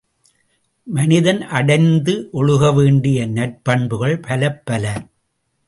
மனிதன் அடைந்து ஒழுக வேண்டிய நற்பண்புகள் பலப்பல.